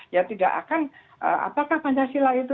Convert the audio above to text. ya tidak akan apakah pancasila itu